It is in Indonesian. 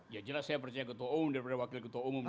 ya jelas saya percaya ketua umum daripada wakil ketua umum